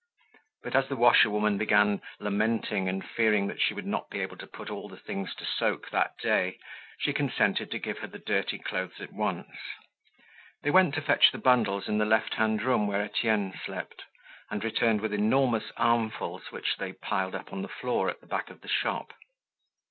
But as the washerwoman began lamenting and fearing that she would not be able to put all the things to soak that day, she consented to give her the dirty clothes at once. They went to fetch the bundles in the left hand room where Etienne slept, and returned with enormous armfuls which they piled up on the floor at the back of the shop.